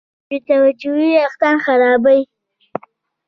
بېتوجهي وېښتيان خرابوي.